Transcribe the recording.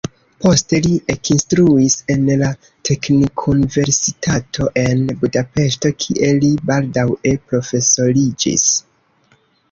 Poste li ekinstruis en la teknikuniversitato en Budapeŝto, kie li baldaŭe profesoriĝis.